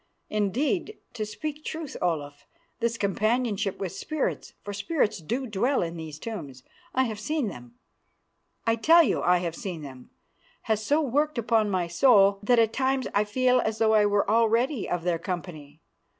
Indeed, to speak truth, Olaf, this companionship with spirits, for spirits do dwell in these tombs I have seen them, I tell you I have seen them has so worked upon my soul that at times I feel as though I were already of their company.